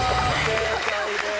正解です。